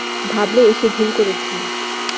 ভাবলে এসে ভুল করেছি।